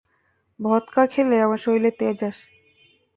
ভোদকা খেলে আমার শরীরে তেজ আসে।